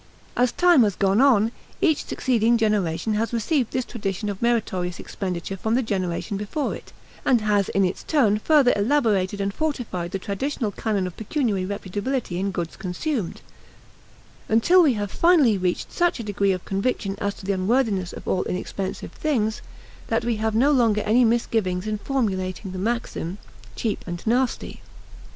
As time has gone on, each succeeding generation has received this tradition of meritorious expenditure from the generation before it, and has in its turn further elaborated and fortified the traditional canon of pecuniary reputability in goods consumed; until we have finally reached such a degree of conviction as to the unworthiness of all inexpensive things, that we have no longer any misgivings in formulating the maxim, "Cheap and nasty."